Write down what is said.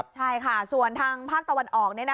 ใช่ค่ะส่วนทางภาคตะวันออก